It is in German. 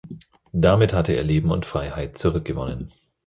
Damit hatte er Leben und Freiheit zurückgewonnen.